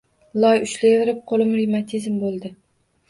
Loy ushlayverib qoʻlim revmatizm boʻldi.